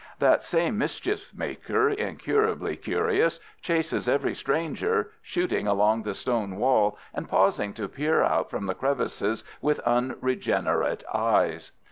That same mischief maker, incurably curious, chases every stranger, shooting along the stone wall and pausing to peer out from the crevices with unregenerate eyes.